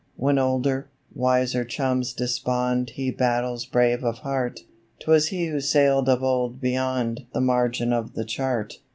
When older, wiser chums despond He battles brave of heart 'Twas he who sailed of old beyond The margin of the chart.